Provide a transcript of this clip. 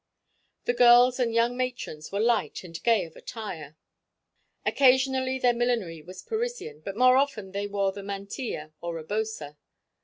The girls and young matrons were light and gay of attire; occasionally their millinery was Parisian, but more often they wore the mantilla or rebosa.